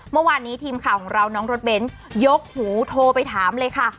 เมื่อวานนี้ทีมข่าวของเราน้องรถเบ้นยกหูโทรไปถามเลยค่ะ